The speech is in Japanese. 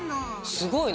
すごいね！